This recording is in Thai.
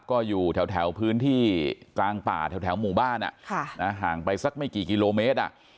ก็อยู่แถวพื้นที่กลางป่าแถวหมู่บ้านห่างไปสักไม่กี่กิโลเมตร